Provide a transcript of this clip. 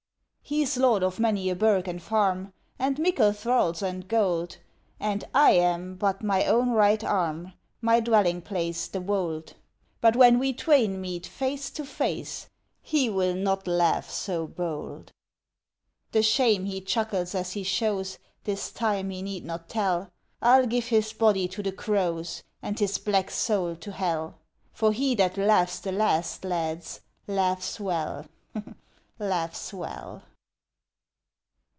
He's lord of many a burg and farm And mickle thralls and gold, And I am but my own right arm, My dwelling place the wold. But when we twain meet face to face, He will hot laugh so bold. The shame he chuckles as he shows This time he need not tell; I'll give his body to the crows, And his black soul to Hell. For he that laughs the last, lads, Laughs well, laughs well!